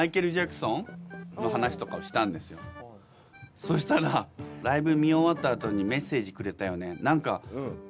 そしたらライブ見終わったあとにメッセージをくれたよね。